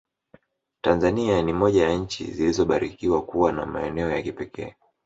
Tanzania ni moja ya nchi zilizobarikiwa kuwa na maeneo ya kipekee